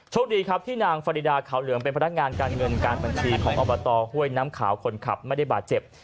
ดีครับที่นางฟาริดาขาวเหลืองเป็นพนักงานการเงินการบัญชีของอบตห้วยน้ำขาวคนขับไม่ได้บาดเจ็บ